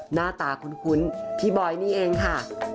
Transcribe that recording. หน้าตาคุ้นพี่บอยนี่เองค่ะ